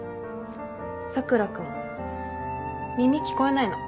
佐倉君耳聞こえないの。